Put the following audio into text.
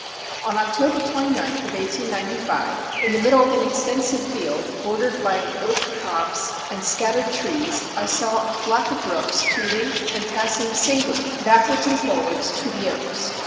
"On October 29th of 1895, in the middle of an extensive field, bordered by an oak copse and scattered trees, I saw a flock of rooks feeding and passing singly backwards and forwards to the oaks.